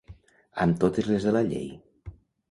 Amb totes les de la llei.